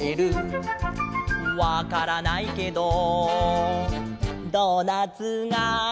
「わからないけどドーナツが」